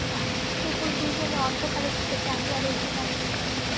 কেবল দুইজনে অন্ধকারের দিকে চাহিয়া রহিলাম।